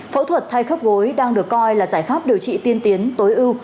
phẫu thuật thay khớp gối đang được coi là giải pháp điều trị tiên tiến tối ưu